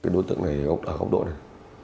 đối tượng này ở góc độ này